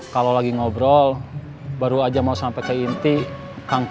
kalau lagi ngobrol baru aja mau sampai ke inti kangkung